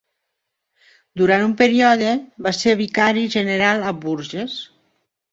Durant un període va ser vicari general a Bourges.